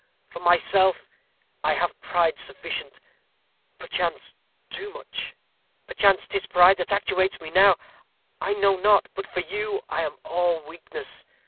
For myself, I have pride sufficient perchance too much. Perchance 'tis pride that actuates me now. I know not. But for you I am all weakness.